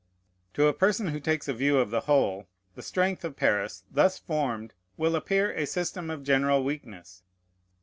To a person who takes a view of the whole, the strength of Paris, thus formed, will appear a system of general weakness.